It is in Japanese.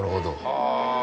はあ！